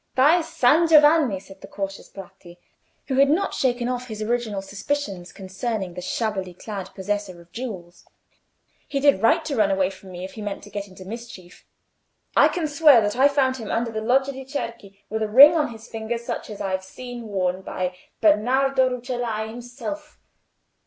"By San Giovanni!" said the cautious Bratti, who had not shaken off his original suspicions concerning the shabbily clad possessor of jewels, "he did right to run away from me, if he meant to get into mischief. I can swear that I found him under the Loggia de' Cerchi, with a ring on his finger such as I've seen worn by Bernardo Rucellai himself.